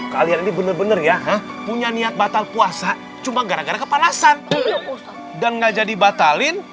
kalian ini benar benar ya punya niat batal puasa cuma gara gara kepanasan dan nggak jadi batalin